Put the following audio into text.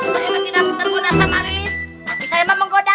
saya mah tidak tergoda sama lilis tapi saya mah menggoda